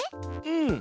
うん。